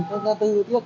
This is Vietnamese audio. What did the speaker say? các ngã tư tiết